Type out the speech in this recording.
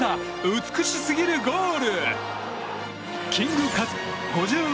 美しすぎるゴール。